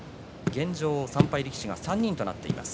現状、３敗力士が３人となっています。